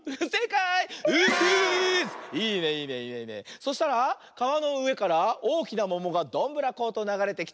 そしたらかわのうえからおおきなももがどんぶらことながれてきた。